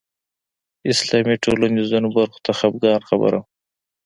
اسلامي ټولنې ځینو برخو ته خپګان خبره وه